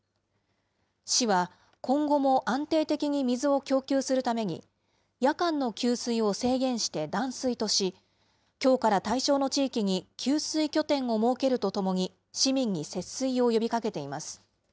市は、今後も安定的に水を供給するために、夜間の給水を制限して断水とし、きょうから対象の地域に給水拠点を設けるとともに、市民に節水を呼びかけています。